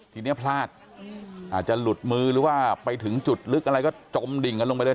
ทีนี้พลาดอาจจะหลุดมือหรือว่าไปถึงจุดลึกอะไรก็จมดิ่งกันลงไปเลย